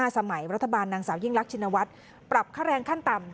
สมัยรัฐบาลนางสาวยิ่งรักชินวัฒน์ปรับค่าแรงขั้นต่ำ